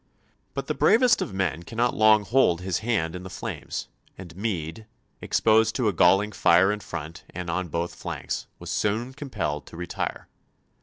But the bravest of men cannot long hold his hand in the flames, and Meade, exposed to a galling fire in front and on both flanks, was soon compelled to retire.